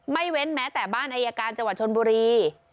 เว้นแม้แต่บ้านอายการจังหวัดชนบุรี